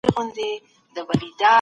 هغوی له خپلې کمزورې حافظې سره کار وکړ.